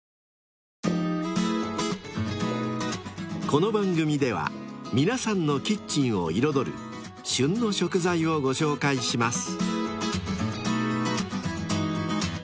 ［この番組では皆さんのキッチンを彩る旬の食材をご紹介します］